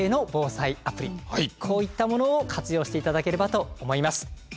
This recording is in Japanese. こういったものを活用していただければと思います。